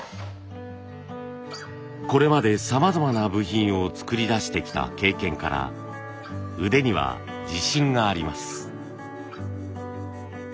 これまでさまざまな部品を作り出してきた経験から腕には自信があります。